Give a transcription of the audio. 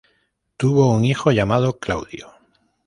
Tuvo un hijo llamado Claudio.